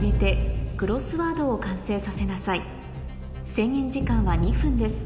制限時間は２分です